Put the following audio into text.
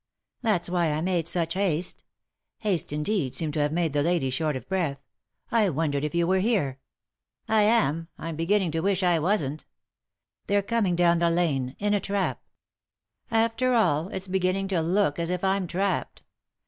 "That's why I made such haste." Haste, indeed, seemed to have made the lady short of breath. " I wondered if you were here." "I am; I'm beginning to wish I wasn't," "They're coming down the lane — in a trap," "After all, it's beginning to look as if I'm trapped.